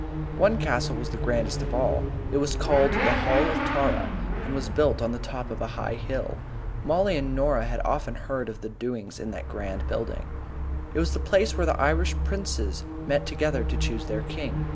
One castle was the grandest of all. It was called the Hall of Tara, and was built on the top of a high hill. Mollie and Norah had often heard of the doings in that grand building. It was the place where the Irish princes met together to choose their king.